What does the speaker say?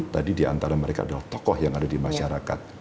tadi diantara mereka adalah tokoh yang ada di masyarakat